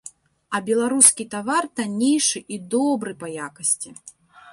А беларускі тавар таннейшы і добры па якасці.